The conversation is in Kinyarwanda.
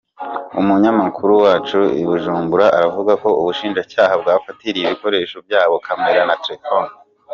Umunyamakuru wacu uri i Bujumbura aravuga ko ubushinjacyaha bwafatiriye ibikoresho byabo- kamera na telefoni.